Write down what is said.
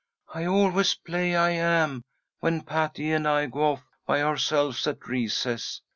I always play I am, when Patty and I go off by ourselves at recess.